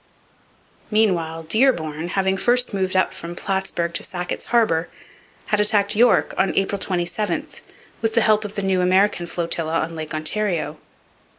Meanwhile Dearborn, having first moved up from Plattsburg to Sackett's Harbour, had attacked York on April 27 with the help of the new American flotilla on Lake Ontario.